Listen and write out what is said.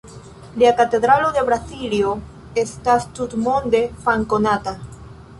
Lia Katedralo de Braziljo estas tutmonde famkonata.